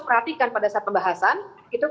perhatikan pada saat pembahasan itu